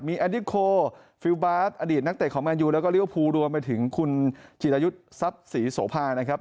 มีแอดิโครฟิลบาร์ดอดีตนักเตะของมันยูแล้วก็ริวภูรวมไปถึงคุณจิตยุทธ์ซับศรีโสภานะครับ